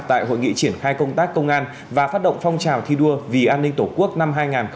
tại hội nghị triển khai công tác công an và phát động phong trào thi đua vì an ninh tổ quốc năm hai nghìn hai mươi bốn